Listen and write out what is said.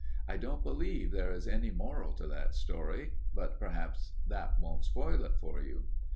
I don't believe there is any moral to that story, but perhaps that won't spoil it for you.